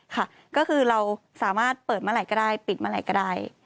ค่ะก็คือเราสามารถเปิดเมื่อไหร่ก็ได้ปิดเมื่อไหร่ก็ได้